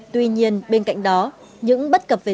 tuy nhiên bên cạnh đó những bất cập về